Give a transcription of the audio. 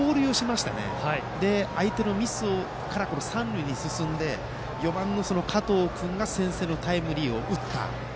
そして相手のミスから三塁に進んで４番の加藤君が先制のタイムリーを打った。